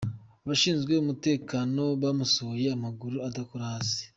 Abashinzwe umutakano bamusohoye amaguru adakora hasi.